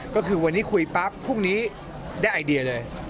ก็คือวันนี้คุยปั๊บพรุ่งนี้ได้ไอเดียเลย